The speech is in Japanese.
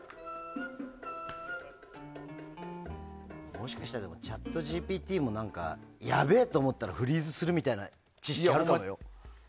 もしかしたらＣｈａｔＧＰＴもやべえって思ったらフリーズするみたいな知識あるかもよ？